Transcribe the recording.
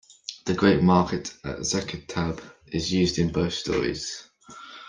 The Great Market at Zakitab is used in both stories.